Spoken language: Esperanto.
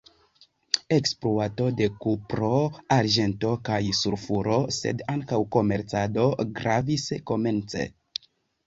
Ekspluato de kupro, arĝento kaj sulfuro sed ankaŭ komercado gravis komence.